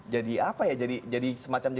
jadi apa ya jadi semacam